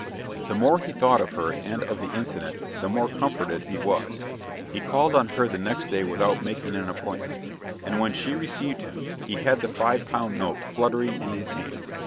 The more he thought of her and of the incident, the more comforted he was. He called on her the next day without making an appointment; and when she received him, he had the five pound note fluttering in his hand.